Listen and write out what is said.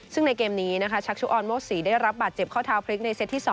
ซึ่งในเกมนี้นะคะชักชุออนโมศรีได้รับบาดเจ็บข้อเท้าพลิกในเซตที่๒